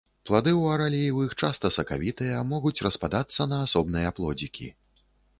Плады ў араліевых часта сакавітыя, могуць распадацца на асобныя плодзікі.